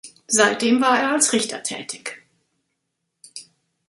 Seitdem war er als Richter tätig.